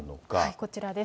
こちらです。